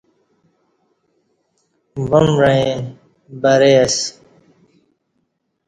وام وعیں برئے اسہ